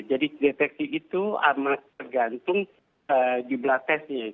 jadi deteksi itu tergantung jumlah tesnya